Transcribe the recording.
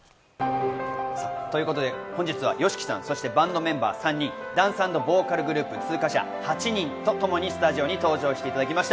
本日はＹＯＳＨＩＫＩさん、そしてバンドメンバー３人、ダンス＆ボーカルグループ通過者８人とともにスタジオに登場していただきました。